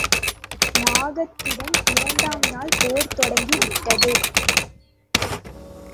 நாகத்துடன் இரண்டாம் நாள் போர் தொடங்கி விட்டது.